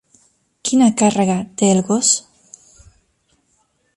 Quina càrrega té el gos?